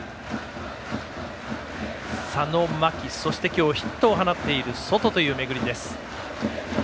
佐野、牧そして、今日ヒットを放っているソトという巡りです。